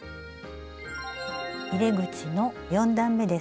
入れ口の４段めです。